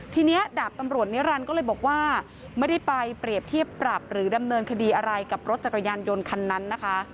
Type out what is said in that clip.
ทีนี้ดาบตำรวจนิรันดิ์ก็เลยบอกว่าไม่ได้ไปเปรียบเทียบปรับหรือดำเนินคดีอะไรกับรถจักรยานยนต์คันนั้นนะคะ